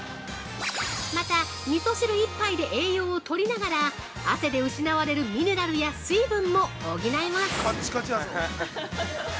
また、みそ汁一杯で栄養をとりながら汗で失われるミネラルや水分も補えます。